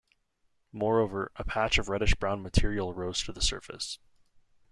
Moreover, a patch of reddish-brown material rose to the surface.